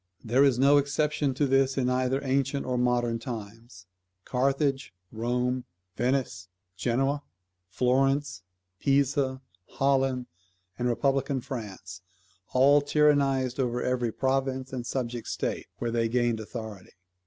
There is no exception to this in either ancient or modern times. Carthage, Rome, Venice, Genoa, Florence, Pisa, Holland, and Republican France, all tyrannized over every province and subject state where they gained authority.